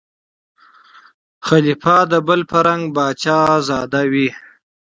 خلیفه د بل په رنګ پاچا زاده وي